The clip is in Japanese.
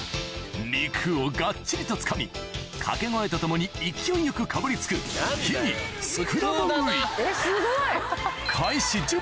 肉をがっちりとつかみ掛け声とともに勢いよくかぶりつくえっすごい！